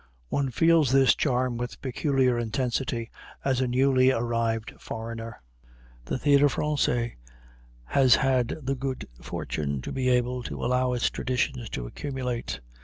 One feels this charm with peculiar intensity as a newly arrived foreigner. The Théâtre Français has had the good fortune to be able to allow its traditions to accumulate.